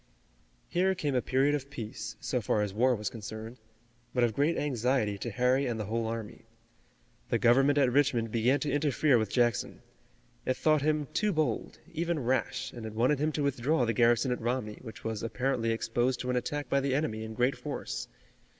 Here came a period of peace so far as war was concerned, but of great anxiety to Harry and the whole army. The government at Richmond began to interfere with Jackson. It thought him too bold, even rash, and it wanted him to withdraw the garrison at Romney, which was apparently exposed to an attack by the enemy in great force.